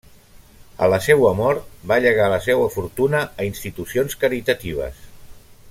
A la seua mort, va llegar la seua fortuna a institucions caritatives.